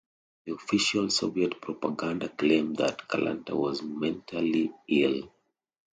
The official Soviet propaganda claimed that Kalanta was mentally ill.